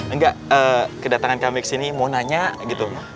enggak kedatangan kami ke sini mau nanya gitu